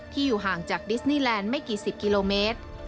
อยู่ห่างจากดิสนีแลนด์ไม่กี่สิบกิโลเมตร